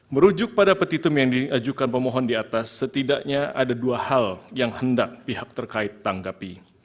merujuk pada petitum yang diajukan pemohon di atas setidaknya ada dua hal yang hendak pihak terkait tanggapi